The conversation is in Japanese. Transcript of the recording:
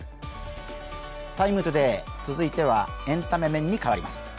「ＴＩＭＥ，ＴＯＤＡＹ」、続いてはエンタメ面に変わります。